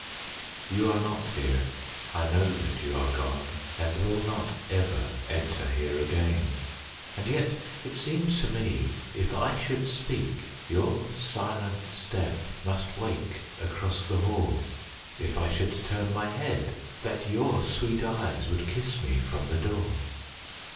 You are not here. I know that you are gone, And will not ever enter here again. And yet it seems to me, if I should speak, Your silent step must wake across the hall; If I should turn my head, that your sweet eyesWould kiss me from the door.